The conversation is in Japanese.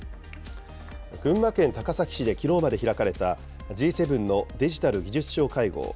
群馬県高崎市できのうまで開かれたＧ７のデジタル・技術相会合。